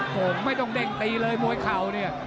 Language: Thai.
โอ้โหไม่ต้องเด้งตีเลยมวยเข่าเนี่ย